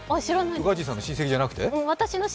宇賀神さんの親戚じゃなくて？